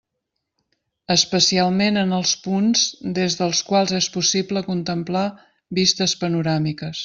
Especialment en els punts des dels quals és possible contemplar vistes panoràmiques.